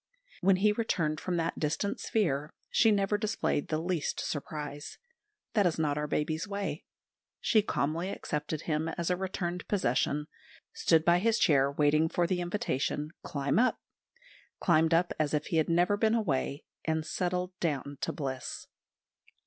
When he returned from that distant sphere she never displayed the least surprise. That is not our babies' way. She calmly accepted him as a returned possession; stood by his chair waiting for the invitation, "Climb up"; climbed up as if he had never been away and settled down to bliss.